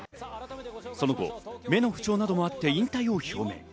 その後、目の不調などもあって引退を表明。